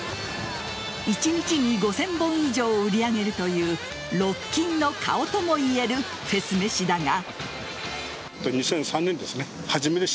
１日に５０００本以上を売り上げるというロッキンの顔ともいえるフェスめしだが。